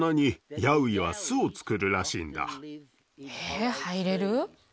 え入れる？